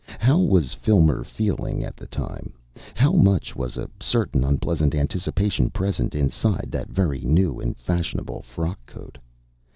How was Filmer feeling at the time? How much was a certain unpleasant anticipation present inside that very new and fashionable frock coat?